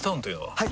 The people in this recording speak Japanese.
はい！